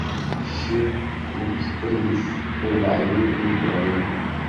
Ŝi ilustris plurajn librojn.